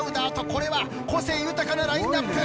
これは個性豊かなラインアップ。